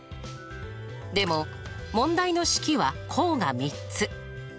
でも問題の式は項が３つ。